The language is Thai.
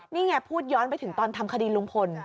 นี่ไงพูดย้อนไปถึงตอนทำคดีลุงพล